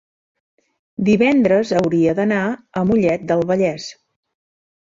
divendres hauria d'anar a Mollet del Vallès.